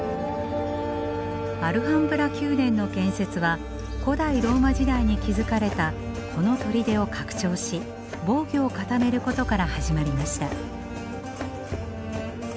アルハンブラ宮殿の建設は古代ローマ時代に築かれたこの砦を拡張し防御を固めることから始まりました。